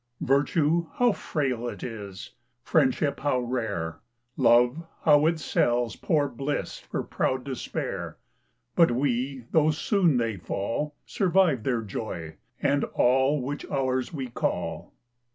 2. Virtue, how frail it is! Friendship how rare! Love, how it sells poor bliss _10 For proud despair! But we, though soon they fall, Survive their joy, and all Which ours we call.